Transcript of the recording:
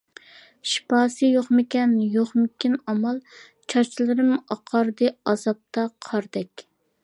شىپاسى يوقمىكىن، يوقمىكىن ئامال؟ چاچلىرىم ئاقاردى ئازابتا قاردەك.